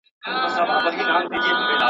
د ټولنیزو کړنو لاملونه ومومه.